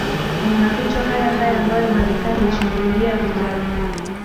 Ni maficho hayahaya ambayo Marekani Ilishambulia vikali